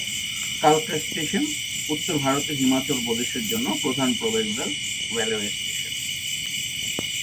কালকা স্টেশন উত্তর ভারতের হিমাচল প্রদেশের জন্য প্রধান প্রবেশদ্বার রেলওয়ে স্টেশন।